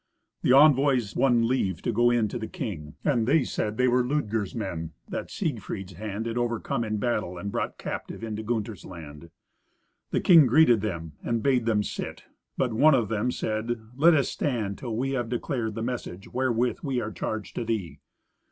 The envoys won leave to go into the king, and they said they were Ludger's men, that Siegfried's hand had overcome in battle and brought captive into Gunther's land. The king greeted them, and bade them sit, but one of them said, "Let us stand, till that we have declared the message wherewith we are charged to thee.